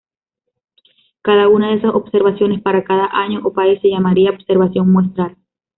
Cada una de esas observaciones para cada año, o país, se llamaría observación muestral.